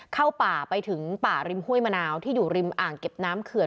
เข้าป่าไปถึงป่าริมห้วยมะนาวที่อยู่ริมอ่างเก็บน้ำเขื่อน